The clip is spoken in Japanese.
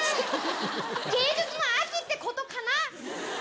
芸術の秋ってことかな。